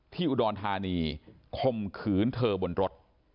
อุดรธานีคมขืนเธอบนรถ